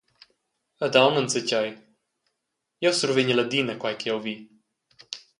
Ed aunc enzatgei: jeu survegnel adina quei ch’jeu vi.»